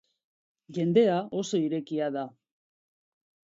Jendea oso irekia da.